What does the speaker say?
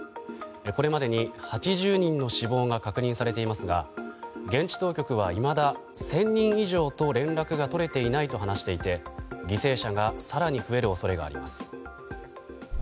これまでに８０人の死亡が確認されていますが現地当局はいまだ１０００人以上と連絡が取れていないと話していて犠牲者が更に増える恐れがあります。